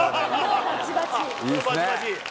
バチバチ。